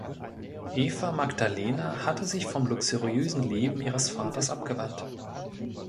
Eva Magdalena hatte sich vom luxuriösen Leben ihres Vaters abgewandt.